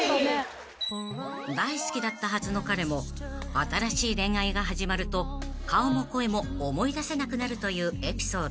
［大好きだったはずの彼も新しい恋愛が始まると顔も声も思い出せなくなるというエピソード］